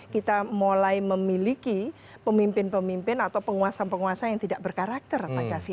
kita mulai memiliki pemimpin pemimpin atau penguasa penguasa yang tidak berkarakter pancasila